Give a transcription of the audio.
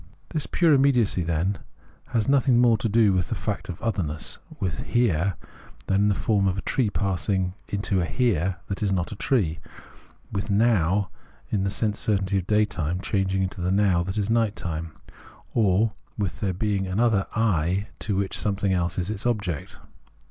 This pure immediacy, then, has nothing more to do with the fact of otherness, with Here in the form of a tree passing into a Here that is not a tree, with Now in the sense of day time changing into a Now that is night time, or with there being an other I to which something else is object.